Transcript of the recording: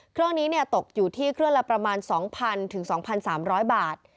เครื่องนี้ตกอยู่ที่เครื่องละประมาณ๒๐๐๒๓๐๐บาท